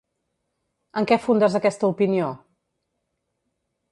En què fundes aquesta opinió?